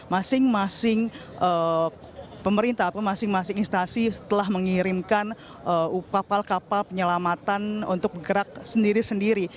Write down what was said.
jadi pemerintah atau masing masing instasi telah mengirimkan upapal kapal penyelamatan untuk gerak sendiri sendiri